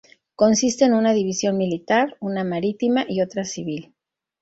Consiste en una división militar, una marítima y otra civil.